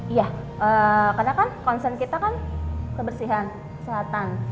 iya karena kan concern kita kan kebersihan kesehatan